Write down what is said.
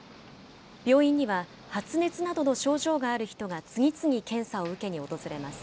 病院には発熱などの症状がある人が次々検査を受けに訪れます。